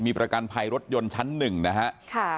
มีประกันภัยรถยนต์ชั้น๑นะฮะ